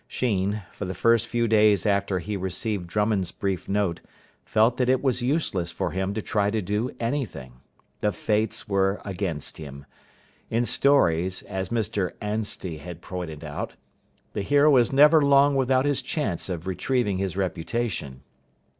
Sheen, for the first few days after he received Drummond's brief note, felt that it was useless for him to try to do anything. The Fates were against him. In stories, as Mr Anstey has pointed out, the hero is never long without his chance of retrieving his reputation.